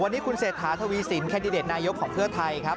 วันนี้คุณเศรษฐาทวีสินแคนดิเดตนายกของเพื่อไทยครับ